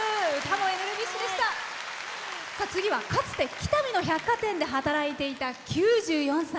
次は、かつて北見の百貨店で働いていた９４歳。